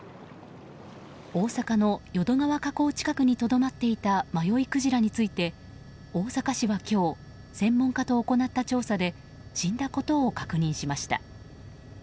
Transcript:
大阪の淀川河口近くにとどまっていた迷いクジラについて大阪市は今日専門家と行った調査で死んだことを確認しました。